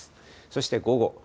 そして午後。